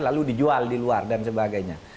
lalu dijual di luar dan sebagainya